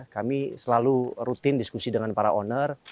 kami selalu rutin diskusi dengan para owner